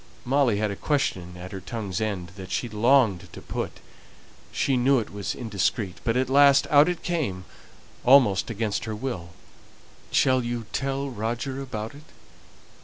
Molly had a question at her tongue's end that she longed to put; she knew it was indiscreet, but at last out it came almost against her will: "Shall you tell Roger about it?"